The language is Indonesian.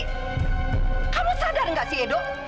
kamu sadar gak si edo